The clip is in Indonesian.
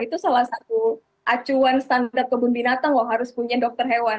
itu salah satu acuan standar kebun binatang loh harus punya dokter hewan